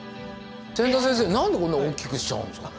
千田先生なんでこんな大きくしちゃうんですかね。